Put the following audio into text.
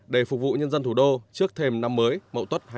để phục vụ nhân dân thủ đô trước thêm năm mới mậu tuất hai nghìn một mươi tám